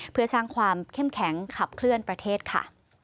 เพื่อสร้างความเข้มแข็งขับเคลื่อนประเทศค่ะ